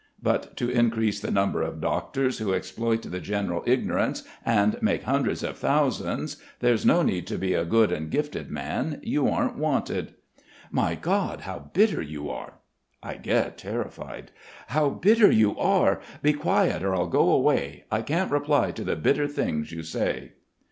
But to increase the number of doctors who exploit the general ignorance and make hundreds of thousands, there's no need to be a good and gifted man. You aren't wanted." "My God, how bitter you are!" I get terrified. "How bitter you are. Be quiet, or I'll go away. I can't reply to the bitter things you say."